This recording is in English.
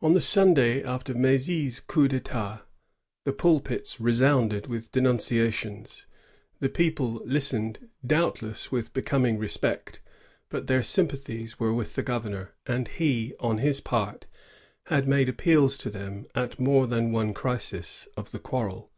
On the Sunday after Mdzy's coup d^itatj the pulpits resounded witb denunciations. The people listened, doubtless, with becoming respect; but their sympa thies were with the governor; and he, on his part, had made appeals to them at more than one crisis, of the quarrel.